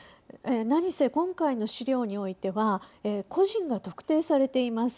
何せ、今回の資料においては個人が特定されています。